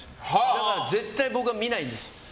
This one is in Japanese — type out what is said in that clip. だから絶対、僕は見ないんです。